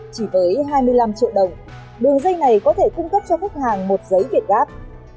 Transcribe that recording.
chỉ với hai mươi năm triệu đồng đường dây này có thể cung cấp cho khách hàng một giấy việt gáp